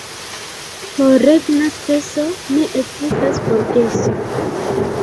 Por regna speso ne ekzistas forgeso.